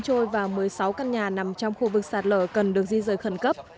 trong đó có một mươi bốn trôi và một mươi sáu căn nhà nằm trong khu vực sạt lở cần được di rời khẩn cấp